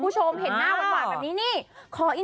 แบลล่าแบลล่าแบลล่า